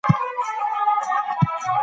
د بل چا راز ساتل امانت دی.